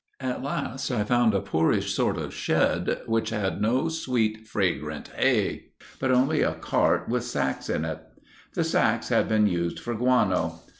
At last I found a poorish sort of shed which had no sweet, fragrant hay but only a cart with sacks in it. The sacks had been used for guano.